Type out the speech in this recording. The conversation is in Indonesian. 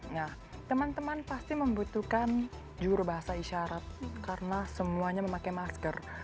nah teman teman pasti membutuhkan jurubahasa isyarat karena semuanya memakai masker